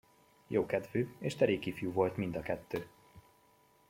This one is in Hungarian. Jókedvű és derék ifjú volt mind a kettő.